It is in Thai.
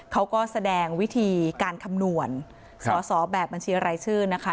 เขาก็แสดงวิธีการคำนวณสอสอแบบบัญชีรายชื่อนะคะ